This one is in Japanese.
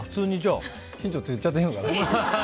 近所って言っちゃっていいのかな。